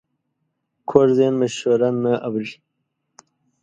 کوږ ذهن مشوره نه اوري